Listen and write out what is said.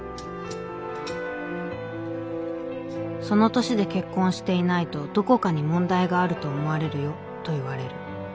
「『その年で結婚していないとどこかに問題があると思われるよ』と言われる。